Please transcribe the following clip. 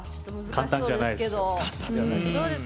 簡単じゃないです。